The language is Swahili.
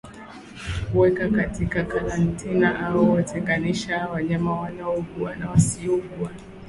Weka katika karantini au watenganishe wanyama wanaougua na wasiougua